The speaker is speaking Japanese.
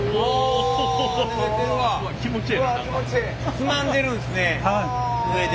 つまんでるんすね上で。